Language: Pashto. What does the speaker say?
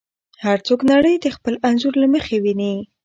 هر څوک نړۍ د خپل انځور له مخې ویني.